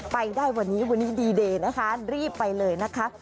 ไปได้วันนี้วันนี้ดีเดย์นะคะรีบไปเลยนะคะ